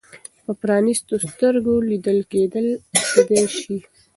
په پرانیستو سترګو لیدل کېدای شي.